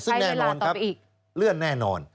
ซึ่งแน่นอนครับเลื่อนแน่นอน